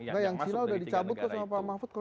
yang masuk dari tiga negara itu